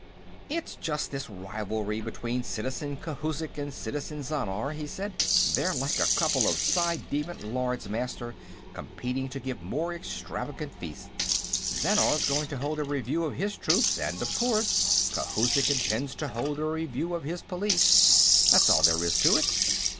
"It's just this rivalry between Citizen Khouzhik and Citizen Zhannar," he said, "They're like a couple of ci devant Lords Master competing to give more extravagant feasts. Zhannar's going to hold a review of his troops, and of course, Khouzhik intends to hold a review of his police. That's all there is to it."